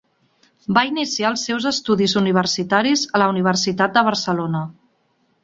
Va iniciar els seus estudis universitaris a la Universitat de Barcelona.